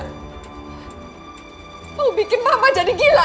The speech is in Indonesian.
tuh bikin mama jadi gila